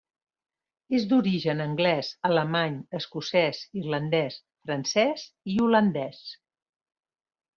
És d'origen anglès, alemany, escocès, irlandès, francès i holandès.